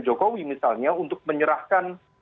jokowi misalnya untuk menyerahkan